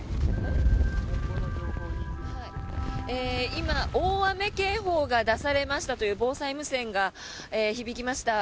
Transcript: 今、大雨警報が出されましたという防災無線が響きました。